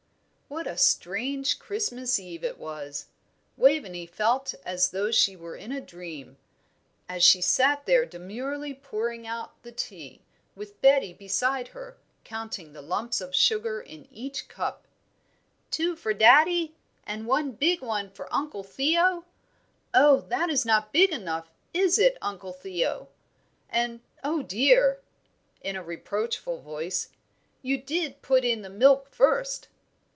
_ What a strange Christmas Eve it was! Waveney felt as though she were in a dream, as she sat there demurely pouring out the tea, with Betty beside her, counting the lumps of sugar in each cup. "Two for daddie, and one big one for Uncle Theo? Oh, that is not big enough, is it, Uncle Theo? And oh, dear!" in a reproachful voice "you did put in the milk first."